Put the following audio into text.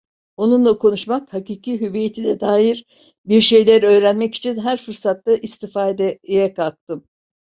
Onunla konuşmak, hakiki hüviyetine dair bir şeyler öğrenmek için her fırsattan istifadeye kalktım.